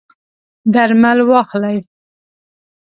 درمل واخلئ